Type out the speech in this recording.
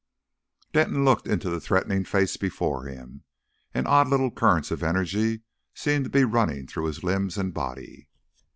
Denton looked into the threatening face before him, and odd little currents of energy seemed to be running through his limbs and body.